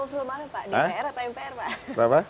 lebih powerful mana pak dpr atau mpr pak